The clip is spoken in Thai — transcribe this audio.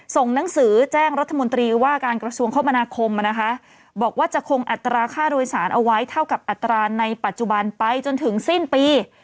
ส่งหนังสือแจ้งรัฐมนตรีว่าการกระทรวงคมนาคมนะคะบอกว่าจะคงอัตราค่าโดยสารเอาไว้เท่ากับอัตราในปัจจุบันไปจนถึงสิ้นปี